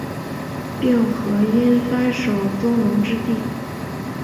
并河因幡守宗隆之弟。